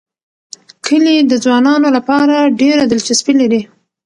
کلي د ځوانانو لپاره ډېره دلچسپي لري.